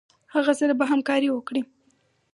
هغه سره به همکاري وکړي.